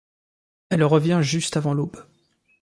Elle revient juste avant l’aube.